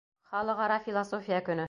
— Халыҡ-ара философия көнө